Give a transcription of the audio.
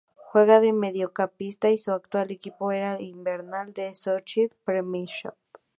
Juega de mediocampista y su actual equipo es el Hibernian de la Scottish Premiership.